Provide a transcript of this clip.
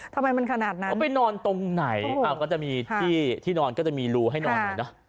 ทำไมมันขนาดนั้นเขาไปนอนตรงไหนก็จะมีที่ที่นอนก็จะมีรูให้นอนหน่อยเนอะ